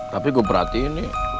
tapi gue berhatiin nih